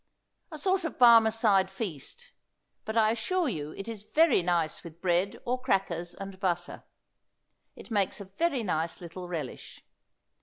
A sort of Barmecide feast, but I assure you it is very nice with bread or crackers and butter. It makes a very nice little relish.